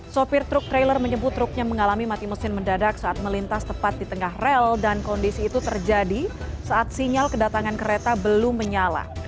sopir truk trailer menyebut truknya mengalami mati mesin mendadak saat melintas tepat di tengah rel dan kondisi itu terjadi saat sinyal kedatangan kereta belum menyala